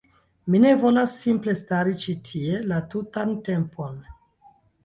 Mi ne volas simple stari ĉi tie la tutan tempon.